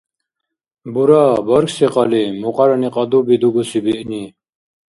Бура, бархьси кьалли, мукьарани кьадуби дугуси биъни?